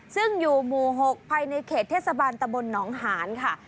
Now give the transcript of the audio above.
ซึ่งอยู่หมู่๖ภายในเขตเทศบาลตะบลหนองหานค่ะ